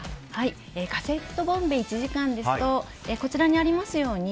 カセットボンベ１時間ですとこちらにありますように